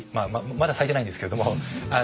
まだ咲いてないんですけれども。